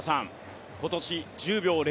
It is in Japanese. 今年、１０秒０２